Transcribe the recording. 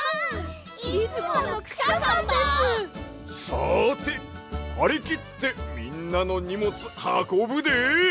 さてはりきってみんなのにもつはこぶで。